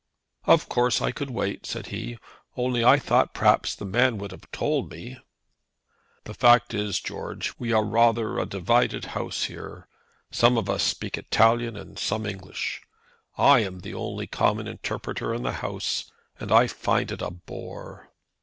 "Of course I could wait," said he; "only I thought that perhaps the man would have told me." "The fact is, George, we are rather a divided house here. Some of us talk Italian and some English. I am the only common interpreter in the house, and I find it a bore."